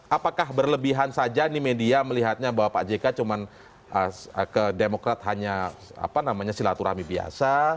apakah berlebihan saja ini media melihatnya bahwa pak jk cuma ke demokrat hanya silaturahmi biasa